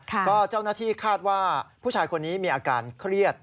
ก็เจ้าหน้าที่คาดว่าผู้ชายคนนี้มีอาการเครียด